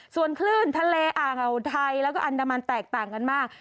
ส่วนคลื่นทะเลอ่าวไทยแล้วก็อันดามันแตกต่างกันมาก